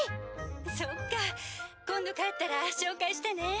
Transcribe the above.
「そっか今度帰ったら紹介してね」